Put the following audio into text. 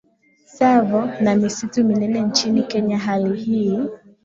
Tsavo na misitu minene nchini Kenya Hali hii